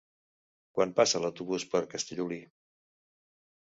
Quan passa l'autobús per Castellolí?